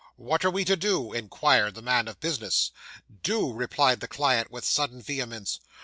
'"What are we to do?" inquired the man of business. '"Do!" replied the client, with sudden vehemence.